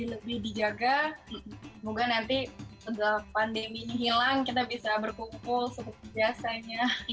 semoga nanti setelah pandemi hilang kita bisa berkumpul seperti biasanya